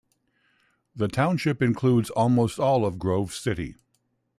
The township includes almost all of Grove City.